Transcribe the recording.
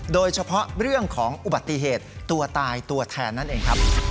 โดยเฉพาะเรื่องของอุบัติเหตุตัวตายตัวแทนนั่นเองครับ